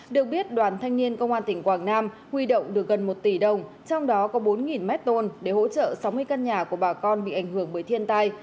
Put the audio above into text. được biết đoàn thanh niên công an tỉnh quảng nam huy động được gần một tỷ đồng trong đó có bốn mét tôn để hỗ trợ sáu mươi căn nhà của bà con bị ảnh hưởng bởi thiên tai